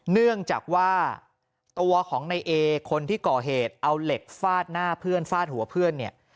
เนื่องจากว่าตัวของในเอคนที่ก่อเหตุเอาเหล็กฟาดหน้าเพื่อนฟาดหัวเพื่อนเนี่ย